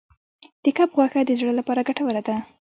د کب غوښه د زړه لپاره ګټوره ده.